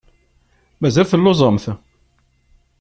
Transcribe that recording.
Mazal telluẓemt?